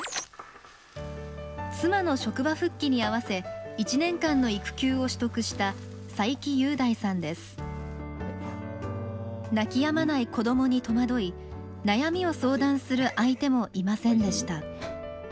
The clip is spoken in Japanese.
妻の職場復帰にあわせ１年間の育休を取得した泣きやまない子どもに戸惑い悩みを相談する相手もいませんでした。